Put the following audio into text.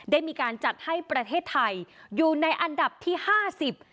ได้มีการจัดให้ประเทศไทยอยู่ในอันดับที่ห้าสิบ